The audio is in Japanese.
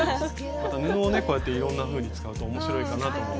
また布をねこうやっていろんなふうに使うと面白いかなとも思います。